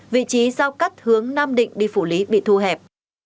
vị trí giao cắt hướng nam định đi phủ lý bị thu hẹp